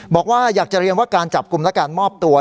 บอกว่าอยากจะเรียนว่าการจับกลุ่มและการมอบตัว